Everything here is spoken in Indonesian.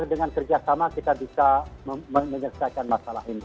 dengan kerja sama kita bisa menyelesaikan masalah ini